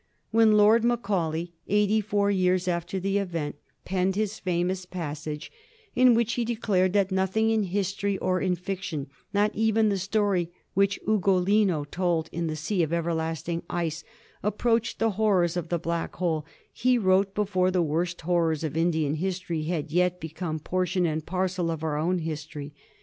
Wben Lord Macaulay, eigbty four years after tbe event, penned bis famous pas sage in wbicb be declared tbat nothing in bistory or in fiction, not even tbe story wbicb Ugolino told in tbe sea of everlasting ice, approacbed tbe borrors of tbe Black bole, be wrote before tbe worst borrors of Indian bistory bad yet become portion and parcel of our own bistory.